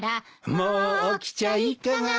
「もうおきちゃいかがと」